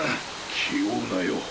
気負うなよ。